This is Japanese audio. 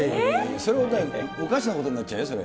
それはおかしなことになっちゃうよ、それ。